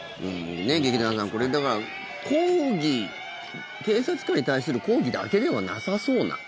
劇団さんこれ、だから抗議警察官に対する抗議だけではなさそうな。